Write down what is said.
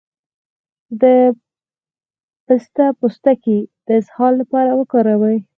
د پسته پوستکی د اسهال لپاره وکاروئ